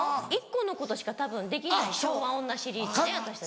１個のことしかたぶんできない昭和女シリーズね私たち。